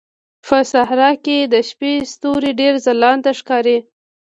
په صحراء کې د شپې ستوري ډېر ځلانده ښکاري.